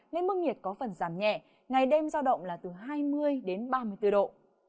nên mức nhiệt có phần giảm nhẹ ngày đêm giao động là từ hai mươi đến ba mươi bốn độ